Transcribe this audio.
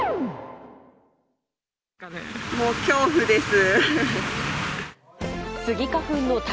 もう、恐怖です。